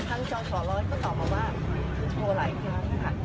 ทางเจาะสาร้อยก็ตอบมาว่าโทรไหลครับด้านข้าง